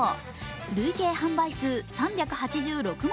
累計販売数３８６万